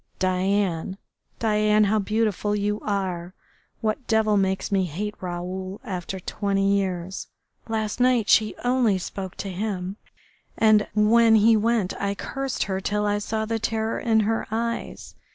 Diane, Diane, how beautiful you are!... What devil makes me hate Raoul after twenty years? Last night she only spoke to him, and when he went I cursed her till I saw the terror in her eyes.